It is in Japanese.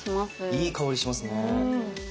いい香りしますね。